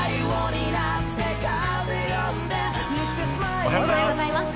おはようございます。